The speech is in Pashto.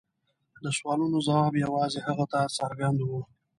د سوالونو ځواب یوازې هغه ته څرګند و.